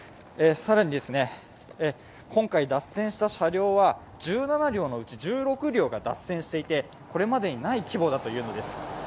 更に、今回脱線した車両は１７両のうち１６両が脱線していてこれまでにない規模だというのです。